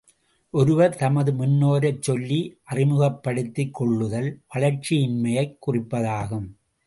ஒருவர் தமது முன்னோரைச் சொல்லி அறிமுகப்படுத்திக் கொள்ளுதல் வளர்ச்சியின்மையைக் குறிப்பதாகும்.